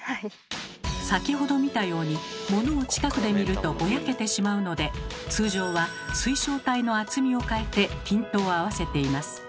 先ほど見たようにモノを近くで見るとぼやけてしまうので通常は水晶体の厚みを変えてピントを合わせています。